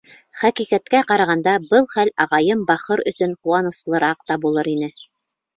Хәҡиҡәткә ҡарағанда, был хәл ағайым бахыр өсөн ҡыуаныслыраҡ та булыр ине.